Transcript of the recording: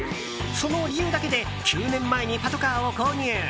その理由だけで９年前にパトカーを購入。